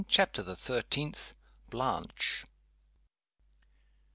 CHAPTER THE THIRTEENTH. BLANCHE.